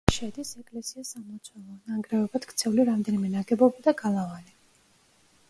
კომპლექსში შედის ეკლესია, სამლოცველო, ნანგრევებად ქცეული რამდენიმე ნაგებობა და გალავანი.